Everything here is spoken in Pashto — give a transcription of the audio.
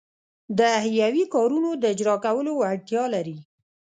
د حیوي کارونو د اجراکولو وړتیا لري.